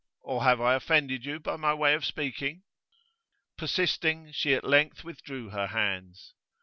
Or have I offended you by my way of speaking?' Persisting, she at length withdrew her hands.